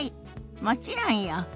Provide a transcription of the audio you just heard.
もちろんよ。